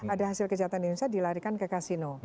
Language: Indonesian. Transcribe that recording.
ada hasil kejahatan di indonesia dilarikan ke kasino